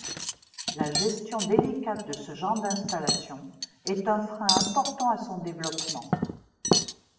La gestion délicate de ce genre d'installation est un frein important à son développement.